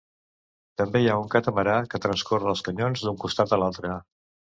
També hi ha un catamarà que transcorre els canyons d'un costat a l'altre.